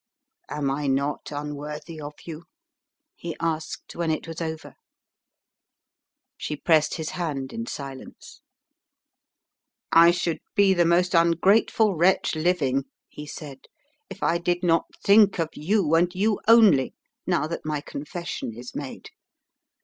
"Am I not unworthy of you?" he asked, when it was over. She pressed his hand in silence. "I should be the most ungrateful wretch living," he said, "if I did not think of you, and you only, now that my confession is made.